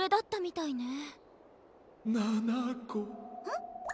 うん？